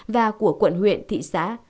và của quận huyện thị xã